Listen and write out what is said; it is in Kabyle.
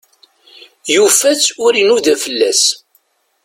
Yufa-tt ur inuda fell-as.